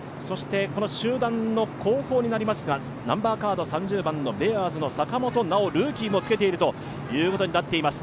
集団の後方になりますが３０番のベアーズの坂本奈穂、ルーキーもつけているということになっています。